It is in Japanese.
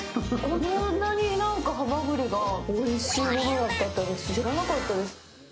こんなにハマグリがおいしいものだったって私、知らなかったです。